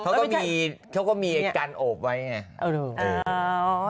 เขาก็มีกันโอบไว้ไง